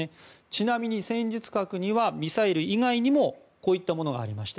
ちなみに、戦術核にはミサイル以外にもこういったものがあります。